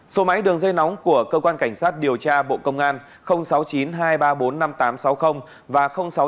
số máy đường dây nóng của cơ quan cảnh sát điều tra bộ công an sáu mươi chín hai trăm ba mươi bốn năm nghìn tám trăm sáu mươi và sáu mươi chín hai trăm ba mươi một một nghìn sáu trăm bảy